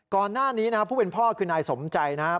ก่อนหน้านี้นะครับผู้เป็นพ่อคือนายสมใจนะครับ